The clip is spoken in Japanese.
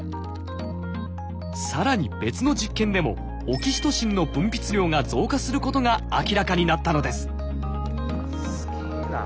更に別の実験でもオキシトシンの分泌量が増加することが明らかになったのです。